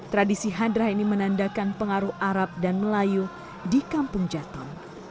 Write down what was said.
tradisi hadrah ini menandakan pengaruh arab dan melayu di kampung jaton